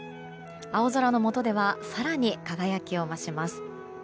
青空のもとでは更に輝きを増します。